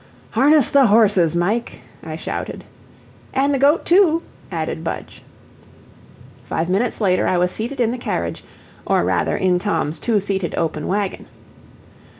"Harness the horses, Mike," I shouted. "An' the goat, too," added Budge. Five minutes later I was seated in the carriage, or rather in Tom's two seated open wagon.